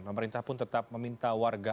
pemerintah pun tetap meminta warga